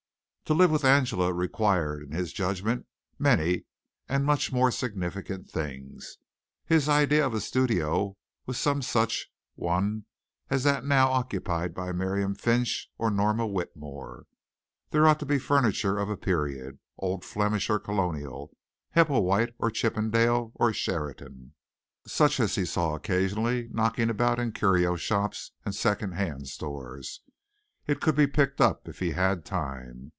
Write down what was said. To live with Angela required, in his judgment, many and much more significant things. His idea of a studio was some such one as that now occupied by Miriam Finch or Norma Whitmore. There ought to be furniture of a period old Flemish or Colonial, Heppelwhite or Chippendale or Sheraton, such as he saw occasionally knocking about in curio shops and second hand stores. It could be picked up if he had time.